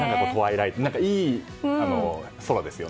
いい空ですよね。